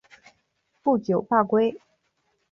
不久罢归。